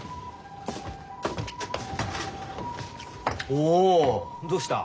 おおどうした？